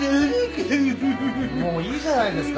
もういいじゃないですか。